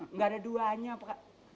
enggak ada duanya pak